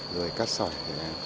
rồi cát sỏi